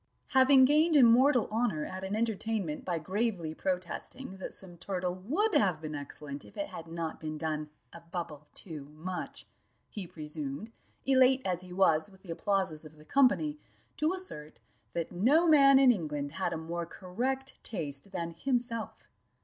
Having gained immortal honour at an entertainment by gravely protesting that some turtle would have been excellent if it had not been done a bubble too much, he presumed, elate as he was with the applauses of the company, to assert, that no man in England had a more correct taste than himself.